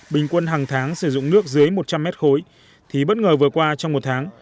bình quân hàng tháng sử dụng nước dưới một trăm linh mét khối thì bất ngờ vừa qua trong một tháng